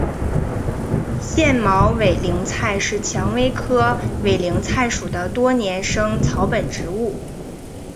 腺毛委陵菜是蔷薇科委陵菜属的多年生草本植物。